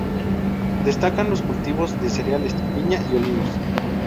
Destacan los cultivos de cereales, viña y olivos.